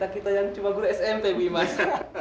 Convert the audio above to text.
tapi kita yang cuma guru smp bu iman